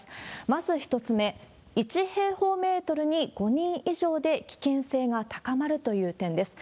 まず１つ目、１平方メートルに５人以上で危険性が高まるという点です。